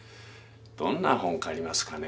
どんな本借りますかね。